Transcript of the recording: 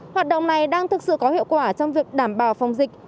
hoạt động này đang thực sự có hiệu quả trong việc đảm bảo phòng dịch